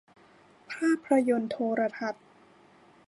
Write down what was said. ภาพยนตร์โทรทัศน์